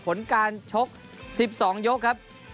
ผลการชก๑๒ยกครับ